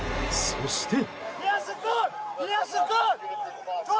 そして。